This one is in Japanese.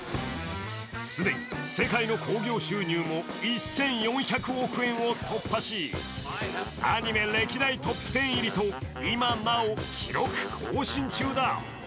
既に世界の興行収入も１４００億円を突破しアニメ歴代トップ１０入りと今なお記録更新中だ。